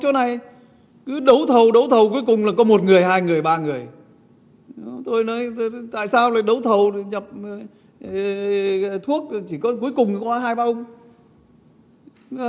chúng tôi tham gia một cuộc ph slogan gần đây chúng tôi would like to be embassy to toàn diệnèmes xin hội cả hai điều rồi nơi đây